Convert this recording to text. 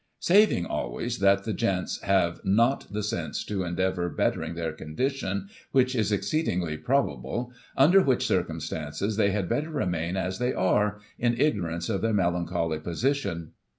Digitized by Google 2t8 GOSSIP. [1843 Saving always that the Gents have not the sense to en deavour bettering their condition, which is exceedingly pro bable ; under which circumstances they had better remain as they are, in ignorance of their melancholy position.